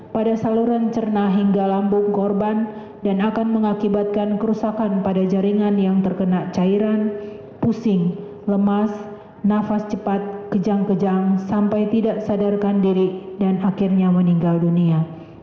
pada saluran cerna hingga lambung korban dan akan mengakibatkan kerusakan pada jaringan yang terkena cairan pusing lemas nafas cepat kejang kejang sampai tidak sadarkan diri dan akhirnya meninggal dunia